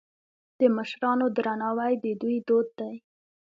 د مشرانو درناوی د دوی دود دی.